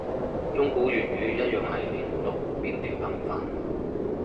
中古粵語一樣係連讀變調頻繁